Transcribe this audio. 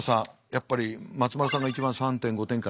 やっぱり松丸さんが一番３．５点から４って。